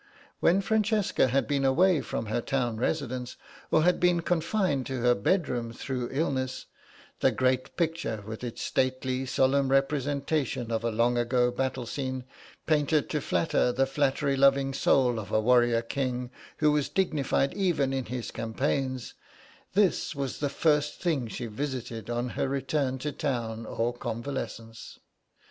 When Francesca had been away from her Town residence or had been confined to her bedroom through illness, the great picture with its stately solemn representation of a long ago battle scene, painted to flatter the flattery loving soul of a warrior king who was dignified even in his campaigns—this was the first thing she visited on her return to Town or convalescence.